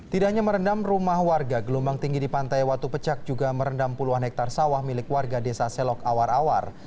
tidak hanya merendam rumah warga gelombang tinggi di pantai watu pecak juga merendam puluhan hektare sawah milik warga desa selok awar awar